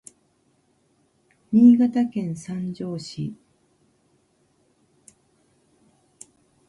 Niigataken sanjo si